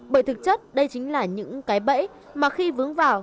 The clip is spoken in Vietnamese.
bởi thực chất đây chính là những cái bẫy mà khi vướng vào